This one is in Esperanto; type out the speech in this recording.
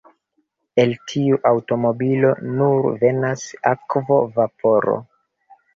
El tiu aŭtomobilo nur venas akvo-vaporo.